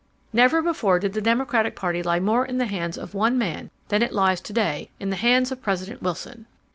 Never before did the Democratic Party lie more in the hands of one man than it lies to day in the hands of President Wilson.